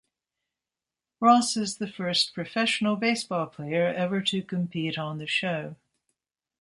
Ross is the first professional baseball player ever to compete on the show.